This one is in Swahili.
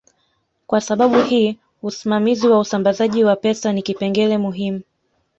Kwa sababu hii usimamizi wa usambazaji wa pesa ni kipengele muhimu